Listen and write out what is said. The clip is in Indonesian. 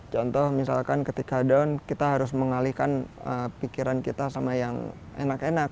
contoh misalkan ketika down kita harus mengalihkan pikiran kita sama yang enak enak